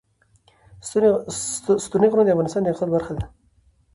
ستوني غرونه د افغانستان د اقتصاد برخه ده.